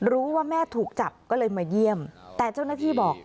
รู้ว่าแม่ถูกจับก็เลยมาเยี่ยมแต่เจ้าหน้าที่บอก